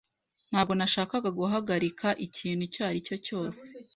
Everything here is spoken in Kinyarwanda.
Ntabwo nashakaga guhagarika ikintu icyo ari cyo cyose.